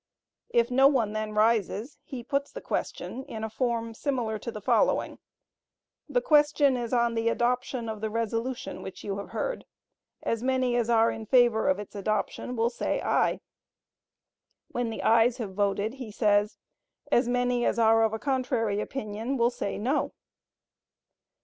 If no one then rises, he puts the question in a form similar to the following: "The question is on the adoption of the resolution which you have heard; as many as are in favor of its adoption will say aye." When the ayes have voted, he says, "As many as are of a contrary opinion will say no."